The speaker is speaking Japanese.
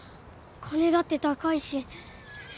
金だって高いし。